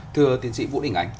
thưa tiến sĩ vũ đình anh